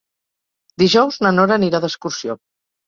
Dijous na Nora anirà d'excursió.